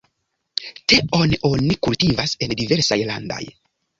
Teon oni kultivas en diversaj landaj.